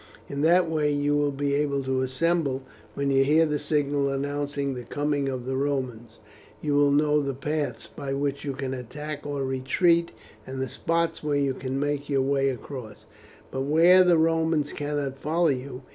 In that way you will be able to assemble when you hear the signal announcing the coming of the Romans, you will know the paths by which you can attack or retreat, and the spots where you can make your way across, but where the Romans cannot follow you.